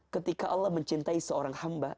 ketika allah mencintai seorang hamba